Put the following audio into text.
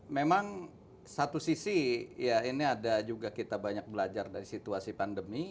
memang satu sisi ya ini ada juga kita banyak belajar dari situasi pandemi